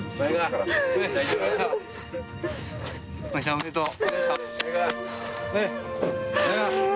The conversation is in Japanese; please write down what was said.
・おめでとう。